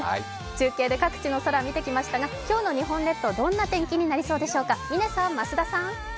中継で各地の天気を見てきましたが、今日の日本列島、どんな天気になるんでしょうか。